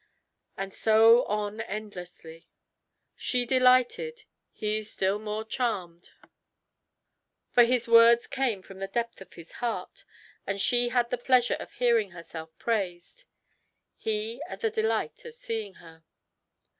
And so on endlessly; she delighted, he still more charmed, for his words came from the depth of his heart and she had the pleasure of hearing herself praised, he the delight of seeing her.